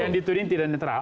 yang ditudih tidak netral